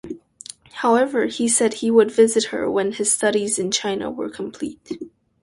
However, he said he would visit her when his studies in China were complete.